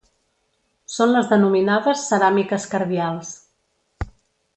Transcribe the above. Són les denominades ceràmiques cardials.